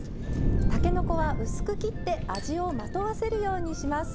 たけのこは、薄く切って味をまとわせるようにします。